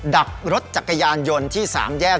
ดักรถจักรยานยนต์ที่๓แยก